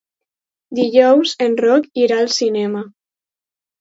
Dijous en Roc irà al cinema.